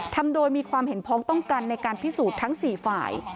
ทำโดยมีความเห็นพ้องต้องกันในการพิสูจน์ทั้ง๔ฝ่าย